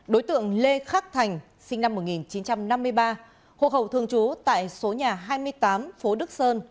đối tượng lê khắc thành sinh năm một nghìn chín trăm năm mươi ba hộ khẩu thường trú tại số nhà hai mươi tám phố đức sơn